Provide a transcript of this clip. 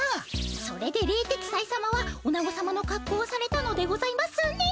それで冷徹斎様はオナゴ様のかっこうをされたのでございますね？